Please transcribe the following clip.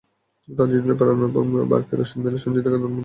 তাদের জন্য প্রেরণার বাড়তি রসদ মেলে সন্জীদা খাতুনের মতো মানুষের জীবন থেকে।